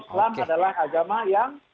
islam adalah agama yang